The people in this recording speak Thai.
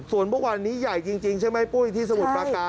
ส่วนเมื่อวานนี้ใหญ่จริงใช่ไหมปุ้ยที่สมุทรปราการ